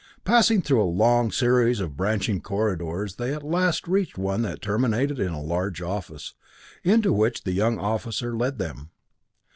Passing through a long series of branching corridors they at last reached one that terminated in a large office, into which the young officer led them.